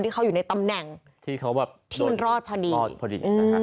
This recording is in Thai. ที่เขาอยู่ในตำแหน่งที่มันรอดพอดี